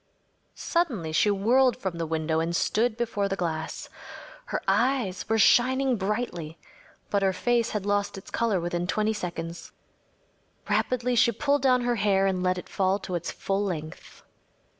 Suddenly she whirled from the window and stood before the glass. Her eyes were shining brilliantly, but her face had lost its color within twenty seconds. Rapidly she pulled down her hair and let it fall to its full length.